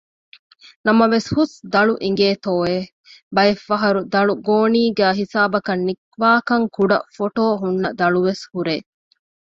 ނަމަވެސް ހުސް ދަޅު އިނގޭތޯއެވެ! ބައެއްފަހަރު ދަޅުގޯނީގައި ހިސާބަކަށް ނިވާކަންކުޑަ ފޮޓޯ ހުންނަ ދަޅުވެސް ހުރޭ